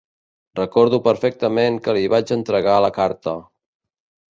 Recordo perfectament que li vaig entregar la carta.